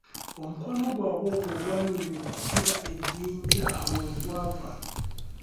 Omukwano gwabwe ogwo ogwanywera okukira ejjinja awo we gwava.